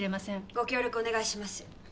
ご協力お願いします。